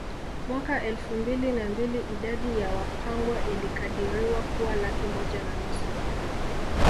Mwaka elfu mbili na mbili idadi ya Wapangwa ilikadiriwa kuwa laki moja na nusu